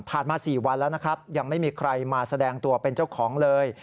มา๔วันแล้วนะครับยังไม่มีใครมาแสดงตัวเป็นเจ้าของเลย